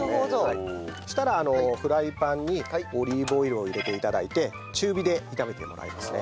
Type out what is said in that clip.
そしたらフライパンにオリーブオイルを入れて頂いて中火で炒めてもらいますね。